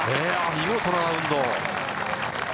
見事なラウンド。